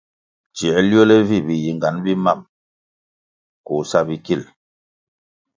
Tsiē liole vi biyingan bi mam koh sa bikil.